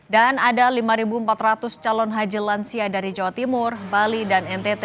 dan ada lima empat ratus calon haji lansia dari jawa timur bali dan ntt